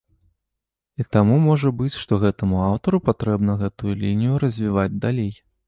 І таму можа быць, што гэтаму аўтару патрэбна гэтую лінію развіваць далей.